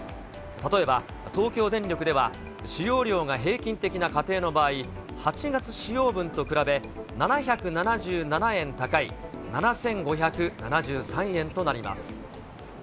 例えば東京電力では、使用量が平均的な家庭の場合、８月使用分と比べ、７７７円高い７５７３円となります。